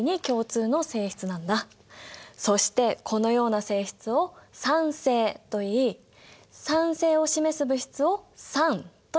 そしてこのような性質を酸性といい酸性を示す物質を酸というんだ。